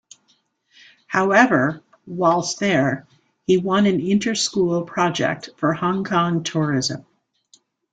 However, whilst there, he won an inter-school project for Hong Kong tourism.